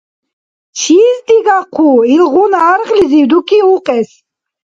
Чис дигахъу илгъуна аргълизив дуки укьес!